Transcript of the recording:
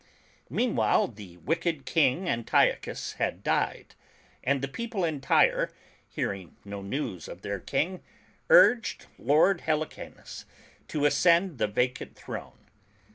Meanwhile the wicked King Antiochus had died, and the people in Tyre, hearing no news of their King, urged Lord Helicanus to ascend the vacant throne.